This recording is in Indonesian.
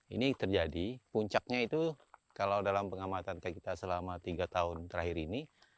ini terjadi puncaknya itu kalau dalam pengamatan kita selama tiga tahun terakhir ini